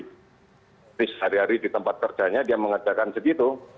jadi sehari hari di tempat kerjanya dia mengerjakan segitu